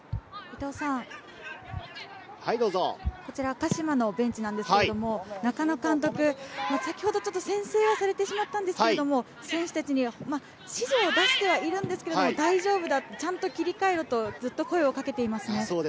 鹿島のベンチなんですけれど、中野監督、先ほどちょっと先制をされてしまったんですけれど、選手たちに指示を出してはいるんですけれど、大丈夫だ、ちゃんと切り替えろとずっと声をかけています。